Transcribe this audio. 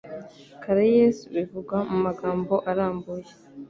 Caraes bivuga mu magambo arambuye